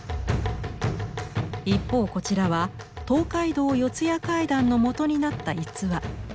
一方こちらは「東海道四谷怪談」のもとになった逸話。